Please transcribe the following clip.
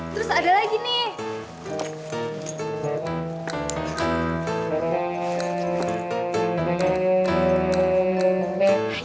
terus ada lagi nih